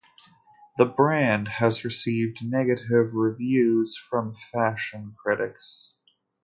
The brand has received negative reviews from fashion critics.